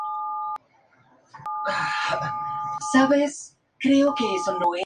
No sentía respeto ni por Artemisa ni por Hera.